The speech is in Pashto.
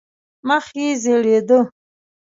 مخ یې زېړېده.